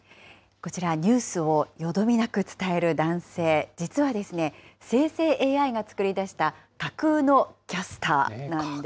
こちら、ニュースをよどみなく伝える男性、実はですね、生成ＡＩが作り出した架空のキャスターなんです。